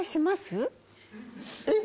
えっ？